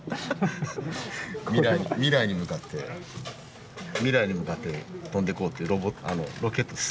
未来に未来に向かって未来に向かって飛んでこうっていうロケットです。